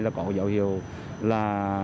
là có dấu hiệu là